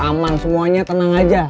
aman semuanya tenang aja